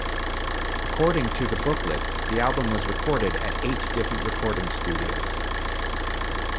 According to the booklet, the album was recorded at eight different recording studios.